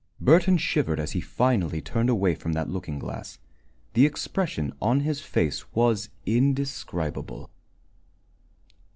Burton shivered as he finally turned away from that looking glass. The expression upon his face was indescribable.